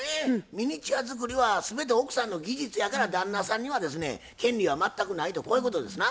ミニチュア作りは全て奥さんの技術やから旦那さんにはですね権利は全くないとこういうことですな？